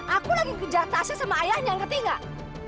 aku lagi kejar tasya sama ayahnya ngerti nggak